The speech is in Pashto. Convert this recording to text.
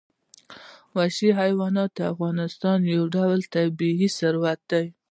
وحشي حیوانات د افغانستان یو ډول طبعي ثروت دی.